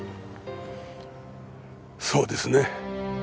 そうですね。